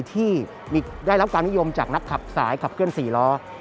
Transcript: ที่ได้รับความนิยมจากนักขับสายขับเคลื่อ๔ล้อ